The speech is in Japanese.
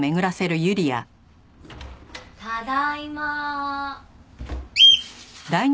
ただいま。